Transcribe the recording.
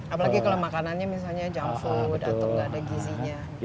apalagi kalau makanannya misalnya junk food atau nggak ada gizinya